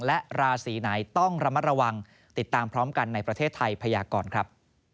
และราศีไหนต้องระมัดระวังติดตามพร้อมกันในประเทศไทยพยากรครับ